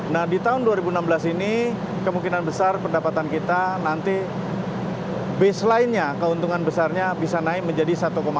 nah di tahun dua ribu enam belas ini kemungkinan besar pendapatan kita nanti baseline nya keuntungan besarnya bisa naik menjadi satu lima